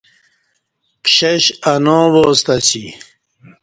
پشش اناو واستہ اسی